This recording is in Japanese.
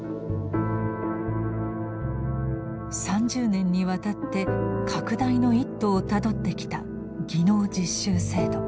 ３０年にわたって拡大の一途をたどってきた技能実習制度。